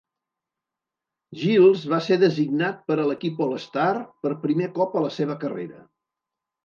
Giles va ser designat per a l'equip All-Star per primer cop a la seva carrera.